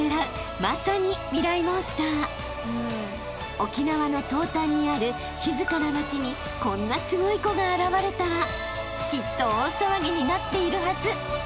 ［沖縄の東端にある静かな町にこんなすごい子が現れたらきっと大騒ぎになっているはず］